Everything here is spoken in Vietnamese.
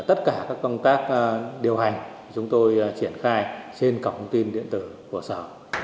tất cả các công tác điều hành chúng tôi triển khai trên cổng thông tin điện tử của sở